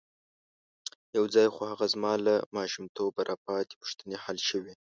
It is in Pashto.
یو ځای خو هغه زما له ماشومتوبه را پاتې پوښتنې حل شوې.